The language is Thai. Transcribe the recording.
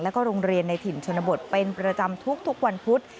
แล้วก็โรงเรียนในถิ่นชนบทเป็นประจำทุกวันพุธ